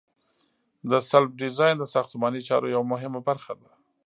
د سلب ډیزاین د ساختماني چارو یوه مهمه برخه ده